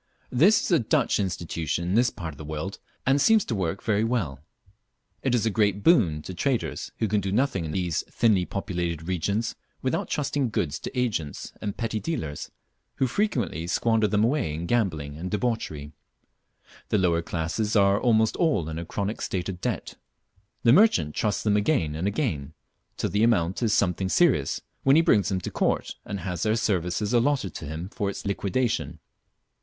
This is a Dutch institution in this part of the world, and seems to work well. It is a great boon to traders, who can do nothing in these thinly populated regions without trusting goods to agents and petty dealers, who frequently squander them away in gambling and debauchery. The lower classes are almost all in a chronic state of debt. The merchant trusts them again and again, till the amount is something serious, when he brings them to court and has their services allotted to him for its liquidation.